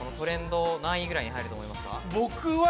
何位ぐらいに入ると思いますか？